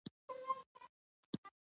خولۍ د تاریخ برخه ده.